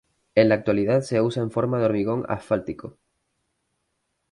En la actualidad se usa en forma de hormigón asfáltico.